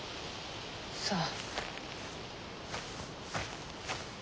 そう。